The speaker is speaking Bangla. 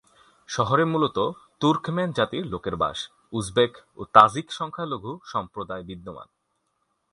শহরে মূলত তুর্কমেন জাতির লোকের বাস; উজবেক ও তাজিক সংখ্যালঘু সম্প্রদায় বিদ্যমান।